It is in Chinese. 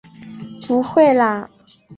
不会啦！